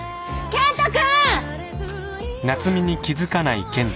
健人君！